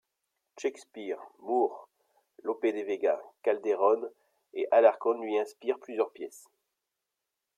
Shakespeare, Moore, Lope de Vega, Calderon et Alarcon lui inspirent plusieurs pièces.